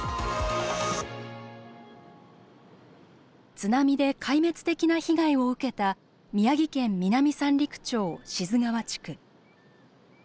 津波で壊滅的な被害を受けた宮城県南三陸町志津川地区。